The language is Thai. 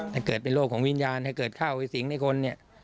ถ้าเกิดเป็นโรคของวิญญาณถ้าเกิดเข้าสิงห์ในคน